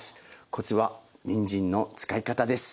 コツはにんじんの使い方です。